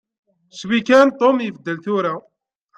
Ccwi kan Tom ibeddel tura.